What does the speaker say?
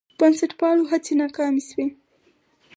بنسټپالو هڅې ناکامې شوې.